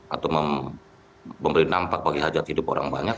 atau memberi nampak bagi hajat hidup orang banyak